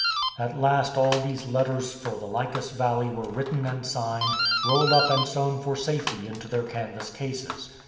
At last all these letters for the Lycus Valley were written and signed, rolled up and sewn for safety into their canvas cases.